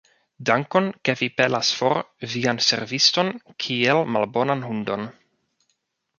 Dankon, ke vi pelas for vian serviston kiel malbonan hundon!